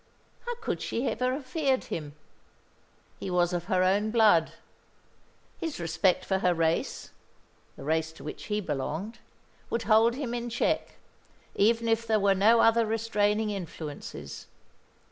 How could she ever have feared him? He was of her own blood. His respect for her race the race to which he belonged would hold him in check, even if there were no other restraining influences.